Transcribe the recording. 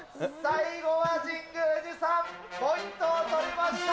最後は神宮寺さん、ポイントを取りました。